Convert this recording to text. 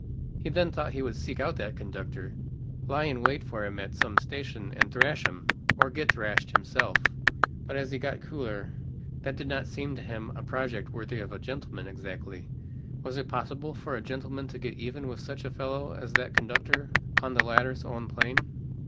He then thought he would seek out that conductor, lie in wait for him at some station, and thrash him, or get thrashed himself. But as he got cooler, that did not seem to him a project worthy of a gentleman exactly. Was it possible for a gentleman to get even with such a fellow as that conductor on the letter's own plane?